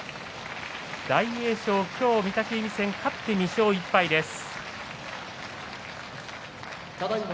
大栄翔、今日、御嶽海戦勝って２勝１敗です。